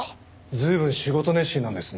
随分仕事熱心なんですね。